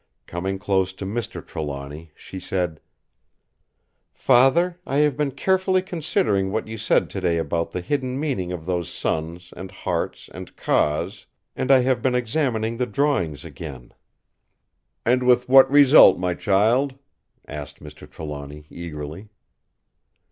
Coming close to Mr. Trelawny, she said: "Father, I have been carefully considering what you said today about the hidden meaning of those suns and hearts and 'Ka's', and I have been examining the drawings again." "And with what result, my child?" asked Mr. Trelawny eagerly.